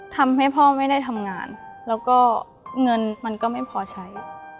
ทำให้พ่อไม่ได้ทำงานแล้วก็เงินมันก็ไม่พอใช้